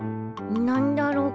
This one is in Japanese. なんだろう？